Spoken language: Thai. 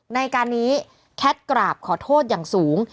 ในการนี้แคทกราบขอโทษอย่างสูง